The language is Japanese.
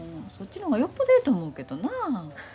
そっちの方がよっぽどええと思うけどな。